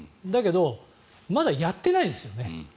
だけどまだやってないですよね。